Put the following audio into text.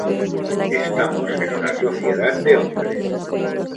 Estamos en una sociedad de hombres.